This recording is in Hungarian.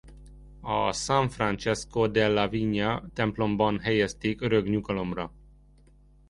A San Francesco della Vigna templomban helyezték örök nyugalomra.